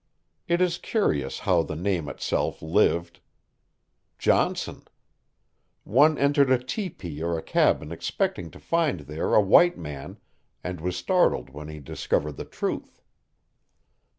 It is curious how the name itself lived. Johnson! One entered a tepee or a cabin expecting to find there a white man, and was startled when he discovered the truth.